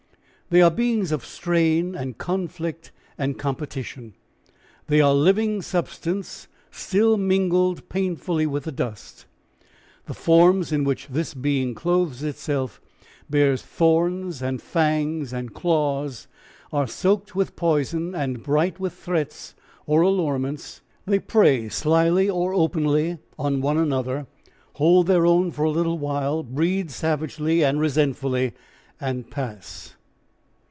They are beings of strain and conflict and competition. They are living substance still mingled painfully with the dust. The forms in which this being clothes itself bear thorns and fangs and claws, are soaked with poison and bright with threats or allurements, prey slyly or openly on one another, hold their own for a little while, breed savagely and resentfully, and pass.